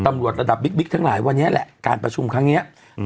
ตำรวจระดับบิ๊กบิ๊กทั้งหลายวันนี้แหละการประชุมครั้งเนี้ยอืม